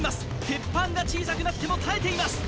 鉄板が小さくなっても耐えています